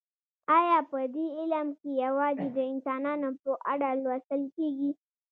ایا په دې علم کې یوازې د انسانانو په اړه لوستل کیږي